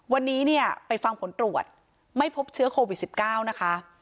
วันนี้เนี่ยไปฟังผลตรวจไม่พบเชื้อโควิด๑๙นะคะ